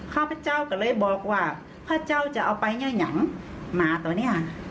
ข้าพเจ้าก็เลยบอกว่าพระเจ้าจะเอาไปเนี่ยยังหมาตัวเนี้ย